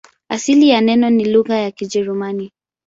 Asili ya neno ni lugha ya Kijerumani.